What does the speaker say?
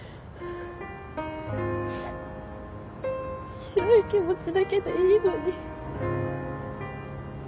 白い気持ちだけでいいのに。